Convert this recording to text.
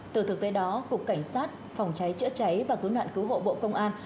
từ thực tế đó cục cảnh sát phòng cháy chữa cháy và cứu nạn cứu hộ bộ công an